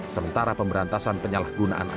sementara pemberantasan penyalahgunaan angkasa